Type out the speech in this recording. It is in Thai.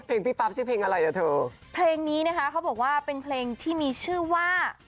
พี่ปั๊บชื่อเพลงอะไรอ่ะเธอเพลงนี้นะคะเขาบอกว่าเป็นเพลงที่มีชื่อว่า